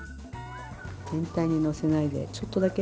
全体にのせないでちょっとだけ。